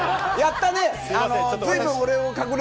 やったね？